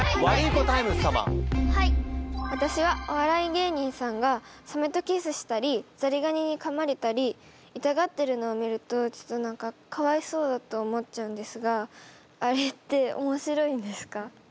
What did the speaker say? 私はお笑い芸人さんがサメとキスしたりザリガニにかまれたり痛がってるのを見るとちょっと何かかわいそうだと思っちゃうんですがあれっておもしろいんですか？